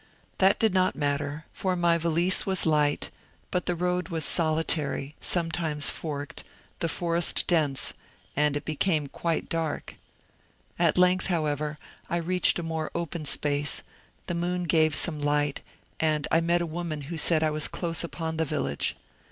That did not matter, for my valise was light, but the road was solitary, sometimes forked, the forest dense, and it became quite dark. At length, however, I reached a more open space, the moon gave some light, and I met a woman who said I was close upon the village.